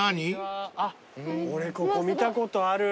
あっ俺ここ見たことある。